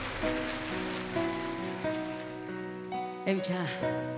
えみちゃん